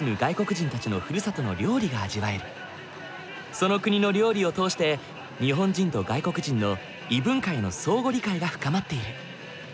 その国の料理を通して日本人と外国人の異文化への相互理解が深まっている。